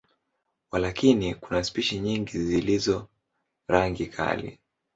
Walakini, kuna spishi nyingi zilizo rangi kali.